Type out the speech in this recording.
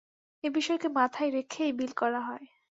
এ বিষয়কে মাথায় রেখে এই বিল করা হয়।